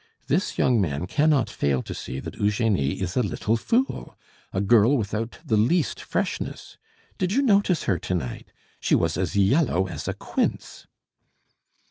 This young man cannot fail to see that Eugenie is a little fool, a girl without the least freshness. Did you notice her to night? She was as yellow as a quince."